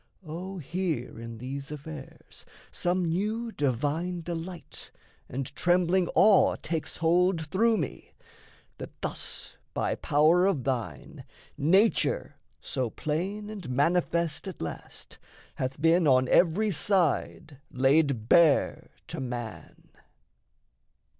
O, here in these affairs Some new divine delight and trembling awe Takes hold through me, that thus by power of thine Nature, so plain and manifest at last, Hath been on every side laid bare to man!